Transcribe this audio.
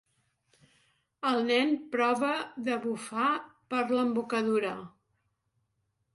El nen prova de bufar per l'embocadura.